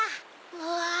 うわ！